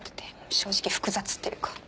正直複雑っていうか。